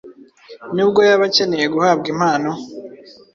Nubwo yaba akeneye guhabwa impano